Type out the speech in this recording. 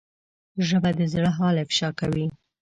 ژبه د زړه حال افشا کوي